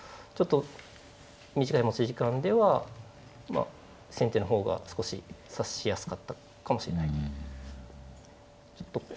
ちょっと短い持ち時間では先手の方が少し指しやすかったかもしれないと。